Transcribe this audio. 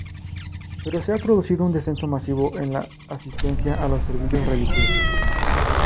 Pero se ha producido un descenso masivo en la asistencia a los servicios religiosos.